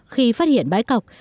khi phát hiện bãi cọc